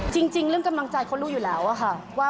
จริงเรื่องกำลังใจเขารู้อยู่แล้วค่ะว่า